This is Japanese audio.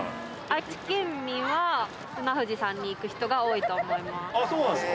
愛知県民は、うな富士さんに行く人が多いと思います。